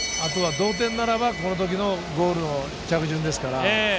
同点ならばこの時のゴールの着順ですから。